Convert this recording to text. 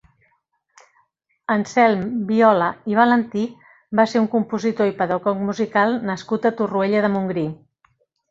Anselm Viola i Valentí va ser un compositor i pedagog musical nascut a Torroella de Montgrí.